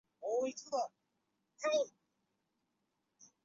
巴比伦囚虏或巴比伦之囚是指古犹太人被掳往巴比伦的历史事件。